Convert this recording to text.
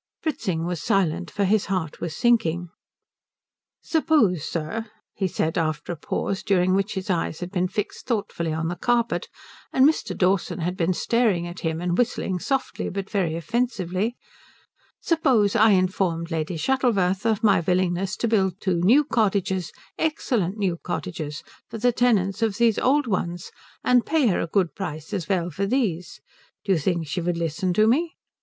Fritzing was silent, for his heart was sinking. "Suppose, sir," he said after a pause, during which his eyes had been fixed thoughtfully on the carpet and Mr. Dawson had been staring at him and whistling softly but very offensively, "suppose I informed Lady Shuttleworth of my willingness to build two new cottages excellent new cottages for the tenants of these old ones, and pay her a good price as well for these, do you think she would listen to me?"